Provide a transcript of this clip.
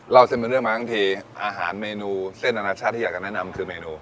เราจะเลือกมาขึ้นทีอาหารเมนูเส้นอาณาชาติที่อยากจะแนะนำคือเมนู